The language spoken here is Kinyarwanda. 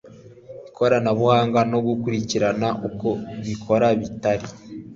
koranabuhanga no gukurikirana uko bikora bitari